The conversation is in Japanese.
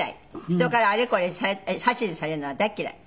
「人からあれこれ指図されるのは大嫌い」